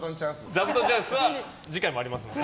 ザブトンチャンスは次回もありますので。